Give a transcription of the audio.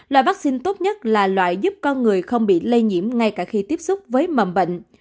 loại vaccine tốt nhất là loại giúp con người không bị lây nhiễm ngay cả khi tiếp xúc với mầm bệnh